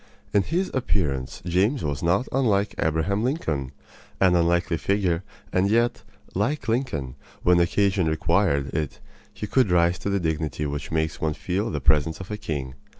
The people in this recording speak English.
In his appearance James was not unlike Abraham Lincoln an unkingly figure; and yet, like Lincoln, when occasion required it he could rise to the dignity which makes one feel the presence of a king.